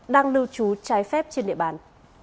đang lưu trú trái phép trên địa bàn